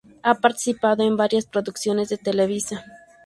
Ha participado en varias producciones de Televisa.